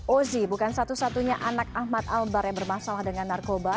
ozi bukan satu satunya anak ahmad albar yang bermasalah dengan narkoba